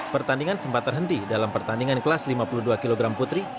pertandingan sempat terhenti dalam pertandingan kelas lima puluh dua kg putri